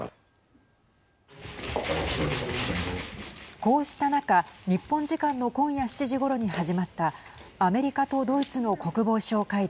こうした中、日本時間の今夜７時ごろに始まったアメリカとドイツの国防相会談。